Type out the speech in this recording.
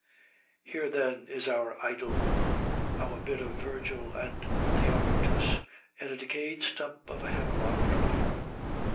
Here, then, is our idyl, our bit of Virgil and Theocritus, in a decayed stump of a hemlock tree.